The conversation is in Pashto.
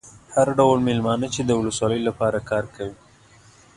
هر ډول مېلمانه چې د ولسوالۍ لپاره کار کوي.